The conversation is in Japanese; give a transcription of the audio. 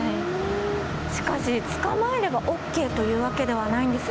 しかし捕まえればＯＫというわけではないんです。